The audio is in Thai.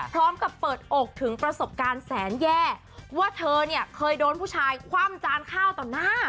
พร้อมกับเปิดอกถึงประสบการณ์แสนแย่ว่าเธอเนี่ยเคยโดนผู้ชายคว่ำจานข้าวต่อหน้า